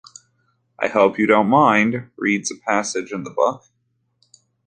I hope you don't mind, reads a passage in the book.